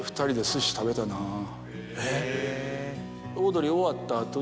えっ！